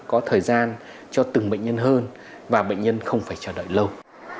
có thời gian cho từng bệnh nhân hơn và bệnh nhân không phải chờ đợi lâu